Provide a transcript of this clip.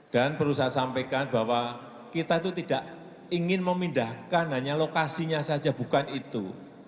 dan perlu saya sampaikan bahwa kita itu tidak ingin memindahkan hanya lokasinya saja bukan itu